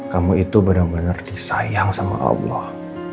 kamu itu bener bener disayang sama allah